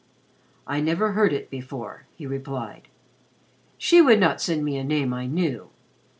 "I never heard it before," he replied. "She would not send me a name I knew.